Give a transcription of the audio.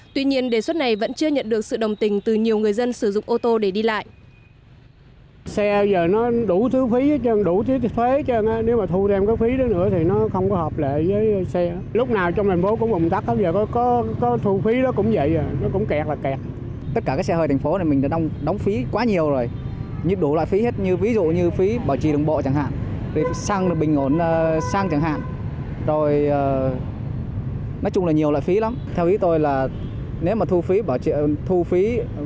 tuy nhiên đề xuất này vẫn chưa nhận được sự đồng tình từ nhiều người dân sử dụng ô tô để đi lại